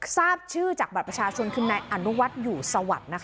ทราบชื่อจากบัตรประชาชนคือนายอนุวัฒน์อยู่สวัสดิ์